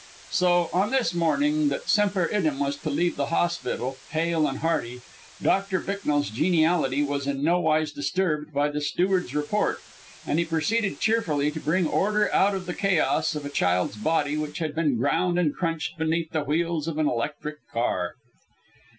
So, on this morning that Semper Idem was to leave the hospital, hale and hearty, Doctor Bicknell's geniality was in nowise disturbed by the steward's report, and he proceeded cheerfully to bring order out of the chaos of a child's body which had been ground and crunched beneath the wheels of an electric car.